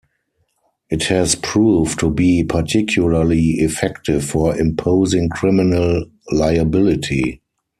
It has proved to be particularly effective for imposing criminal liability.